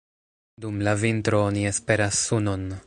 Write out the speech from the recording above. Dum la vintro oni esperas sunon.